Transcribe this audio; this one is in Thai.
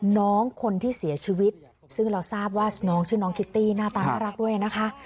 น้องคนที่เสียชีวิตซึ่งเราทราบว่าน้องชื่อน้องคิตตี้หน้าตาน่ารักด้วยนะคะ